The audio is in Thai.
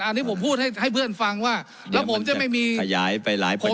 อันนี้ผมพูดให้เพื่อนฟังว่าแล้วผมจะไม่มีขยายไปหลายคน